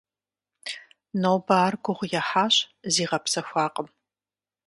Нобэ ар гугъу ехьащ, зигъэпсэхуакъым.